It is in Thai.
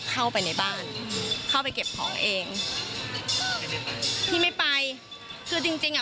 เข้าไปในบ้านเข้าไปเก็บของเองก็ไม่ได้ไปพี่ไม่ไปคือจริงจริงอ่ะ